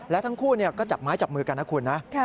และทั้งคู่ก็จับไม้จับมือกันนะคุณนะ